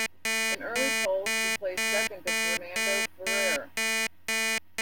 In early polls, she placed second to Fernando Ferrer.